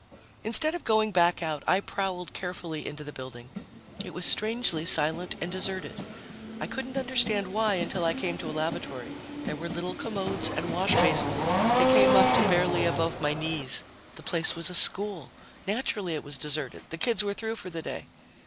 Instead of going back out, I prowled carefully into the building. It was strangely silent and deserted. I couldn't understand why until I came to a lavatory. There were little commodes and wash basins that came up to barely above my knees. The place was a school. Naturally it was deserted the kids were through for the day.